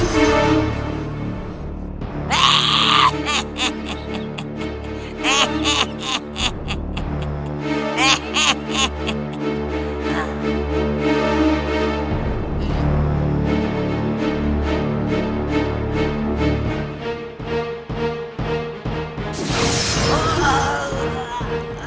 sembara semangat tolong